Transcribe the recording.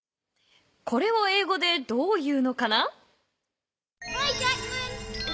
これをえいごでどう言うのかな？